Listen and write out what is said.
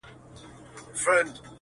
وریځې کیناستې باران ګرځي